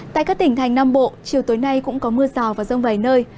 tại các tỉnh thành nam bộ chiều tối nay cũng có mưa rào và rông vài nơi